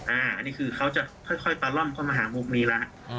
อันนี้คือเขาจะค่อยตะล่อนเข้ามาหามุมนี้แล้ว